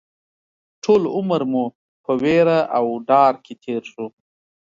ټول عمر مو په وېره او ډار کې تېر شو